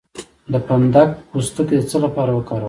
د فندق پوستکی د څه لپاره وکاروم؟